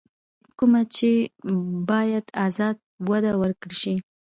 کومه چې بايد ازاده او وده ورکړل شي.